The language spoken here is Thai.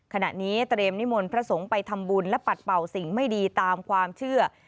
ขณะนี้เตรียมนิมนต์พระสงฆ์ไปทำบุญและปัดเป่าสิ่งไม่ดีตามความเชื่อ